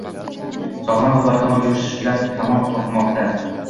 Sog‘lom va barkamol yoshlar kamol topmoqdang